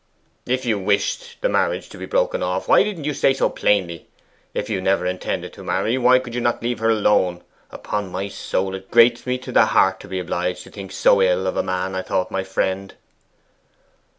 'If you wished the marriage broken off, why didn't you say so plainly? If you never intended to marry, why could you not leave her alone? Upon my soul, it grates me to the heart to be obliged to think so ill of a man I thought my friend!